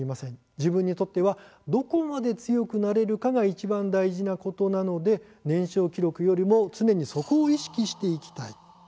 自分にとってはどこまで強くなれるかがいちばん大事なことなので年少記録よりも、常にそこを意識していきたい。